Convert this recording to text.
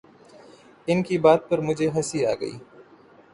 ان کی بات پر مجھے ہنسی آ گئی